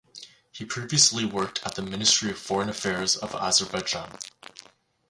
He previously worked at the Ministry of Foreign Affairs of Azerbaijan.